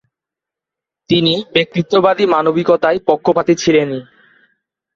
তিনি ব্যক্তিত্ববাদী মানবিকতায় পক্ষপাতী ছিলেনই।